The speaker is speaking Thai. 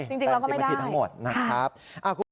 จริงเราก็ไม่ได้แต่ไม่ผิดทั้งหมดนะครับครับ